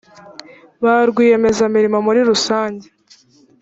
ba rwiyemezamirimo muri rusange